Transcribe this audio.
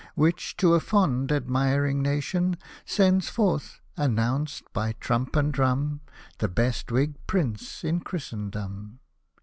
Which, to a fond, admiring nation, Sends forth, announced by trump and drum, The best wigged Pr — n — e in Christendom.